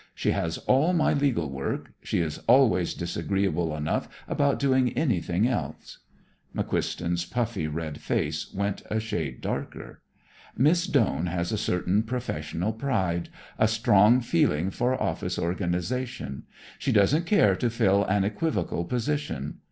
She has all my legal work. She is always disagreeable enough about doing anything else." McQuiston's puffy red face went a shade darker. "Miss Doane has a certain professional pride; a strong feeling for office organization. She doesn't care to fill an equivocal position.